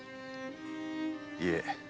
いえ。